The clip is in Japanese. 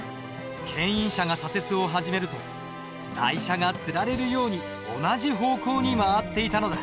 牽引車が左折を始めると台車がつられるように同じ方向に回っていたのだ。